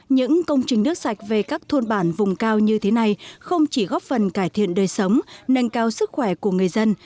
những công trình nước sạch về các thôn bản vùng cao như thế này không chỉ góp phần cải thiện đời sống nâng cao sức khỏe của người dân